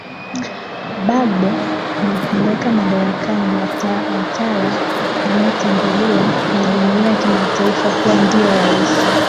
bagbo na kumweka madarakani watara anayetambuliwa na jumuiya ya kimataifa kuwa ndiye rais